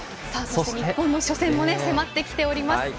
日本の初戦も迫ってきております。